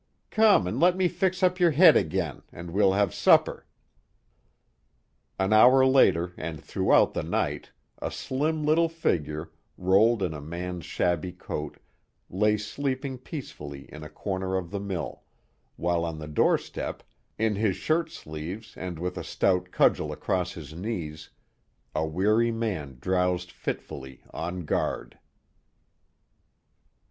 "Come and let me fix up your head again, an' we'll have supper." An hour later and throughout the night, a slim little figure, rolled in a man's shabby coat, lay sleeping peacefully in a corner of the mill, while on the doorstep in his shirt sleeves and with a stout cudgel across his knees, a weary man drowsed fitfully, on guard.